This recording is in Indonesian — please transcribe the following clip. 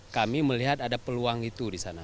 kami melihat ada peluang itu di sana